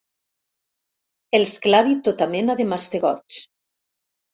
Els clavi tota mena de mastegots.